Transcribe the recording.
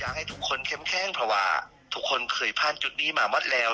ให้ทุกคนเข้มแข้งเพราะว่าทุกคนเคยผ่านจุดนี้มาหมดแล้ว